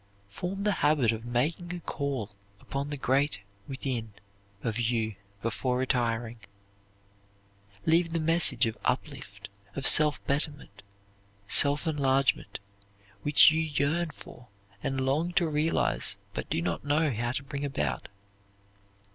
Form the habit of making a call upon the Great Within of you before retiring. Leave the message of up lift, of self betterment, self enlargement, which you yearn for and long to realize but do not know how to bring about.